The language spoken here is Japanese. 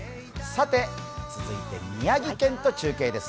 続いて宮城県と中継です。